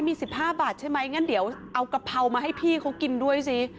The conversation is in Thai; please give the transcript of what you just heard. มี๑๕บาทใช่ไหมงั้นเดี๋ยวเอากะเพรามาให้พี่เขากินด้วยสิ